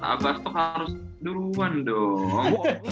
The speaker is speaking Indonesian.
abah stok harus duluan dong